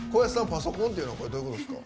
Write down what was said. パソコンっていうのはこれどういうことですか？